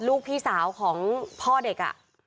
ลูกพี่สาวของพ่อเด็ก